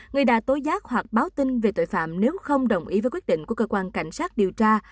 người đã tố giác hoặc báo tin về tội phạm nếu không đồng ý với quyết định của cơ quan cảnh sát điều tra